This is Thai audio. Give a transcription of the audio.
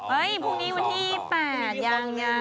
๒เฮ้ยพรุ่งนี้วันนี้๘ยัง